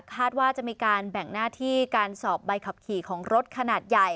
คาดว่าจะมีการแบ่งหน้าที่การสอบใบขับขี่ของรถขนาดใหญ่